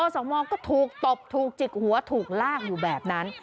สมก็ถูกตบถูกจิกหัวถูกลากอยู่แบบนั้น